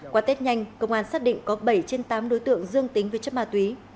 qua tết nhanh công an xác định có bảy trên tám đối tượng dương tính với chất ma túy